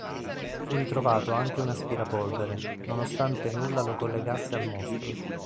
Fu ritrovato anche un aspirapolvere, nonostante nulla lo collegasse al "Mostro".